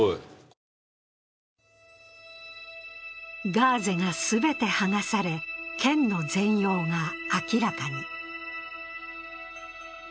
ガーゼが全てはがされ、剣の全容が明らかに。